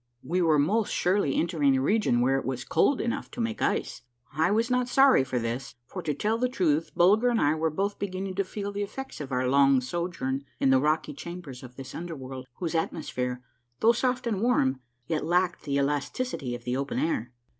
We were most surely entering a region where it was cold enough to make ice. I was not sorry for this ; for, to tell the truth, Bulger and I were both beginning to feel the effects of our long sojourn in the rocky chambers of this under world, whose atmosphere, though soft and warm, yet lacked the elasticity of the open air.